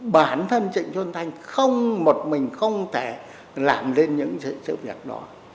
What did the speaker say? bản thân trịnh xuân thanh không một mình không thể làm lên những sự việc đó